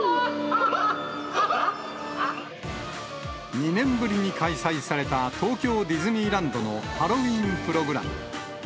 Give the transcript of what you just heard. ２年ぶりに開催された東京ディズニーランドのハロウィーンプログラム。